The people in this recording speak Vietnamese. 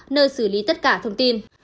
nơi xử lý tất cả thông tin